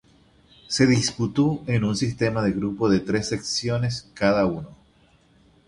Se disputó en un sistema de grupos de tres selecciones cada uno.